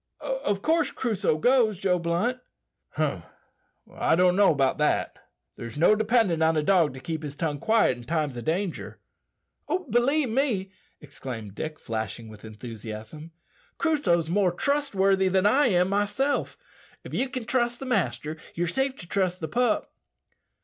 Of course Crusoe goes, Joe Blunt?" "Hum! I don't know that. There's no dependin' on a dog to keep his tongue quiet in times o' danger." "Believe me," exclaimed Dick, flashing with enthusiasm, "Crusoe's more trustworthy than I am myself. If ye can trust the master, ye're safe to trust the pup."